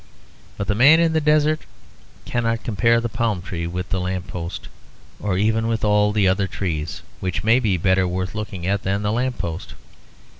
But the man in the desert cannot compare the palm tree with the lamp post, or even with all the other trees which may be better worth looking at than the lamp post.